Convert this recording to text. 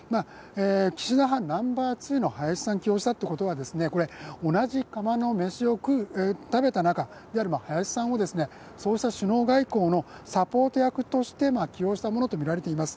岸田派ナンバー２の林さんを起用したということは同じ釜の飯を食べた仲、いわゆる林さんをそうした首脳外交のサポート役として起用したものとみられています。